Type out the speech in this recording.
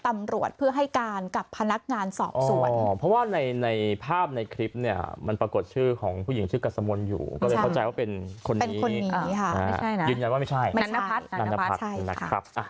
มันปรากฏชื่อของผู้หญิงชื่อกัศมนต์อยู่ก็เลยเข้าใจว่าเป็นคนนี้ค่ะยืนยันว่าไม่ใช่นันนพัฒน์นันนพัฒน์ใช่ครับ